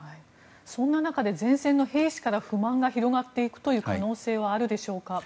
そんな中で前線の兵士から不満が広がっていく可能性はあるでしょうか？